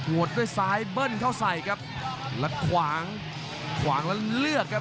วดด้วยซ้ายเบิ้ลเข้าใส่ครับแล้วขวางขวางแล้วเลือกครับ